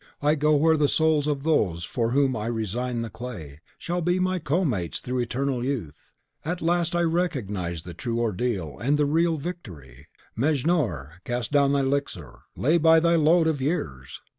I go where the souls of those for whom I resign the clay shall be my co mates through eternal youth. At last I recognise the true ordeal and the real victory. Mejnour, cast down thy elixir; lay by thy load of years!